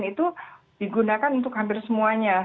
itu digunakan untuk hampir semuanya